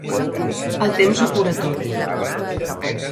El temps ho cura tot.